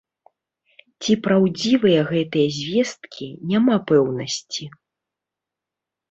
Ці праўдзівыя гэтыя звесткі, няма пэўнасці.